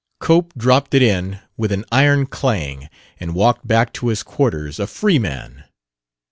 Cope dropped it in with an iron clang and walked back to his quarters a free man.